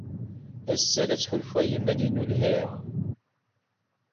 Ass-a, la ttḥulfuɣ i yiman-inu lhiɣ.